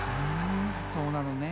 そうなのね。